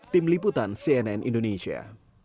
tim liputan cnn indonesia